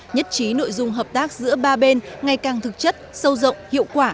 nhất trí nội dung hợp tác giữa ba bên ngày càng thực chất sâu rộng hiệu quả